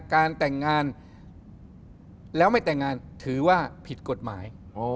การแต่งงานแล้วไม่แต่งงานถือว่าผิดกฎหมาย